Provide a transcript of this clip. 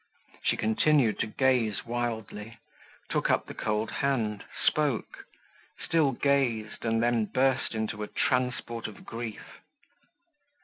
She continued to gaze wildly; took up the cold hand; spoke; still gazed, and then burst into a transport of grief.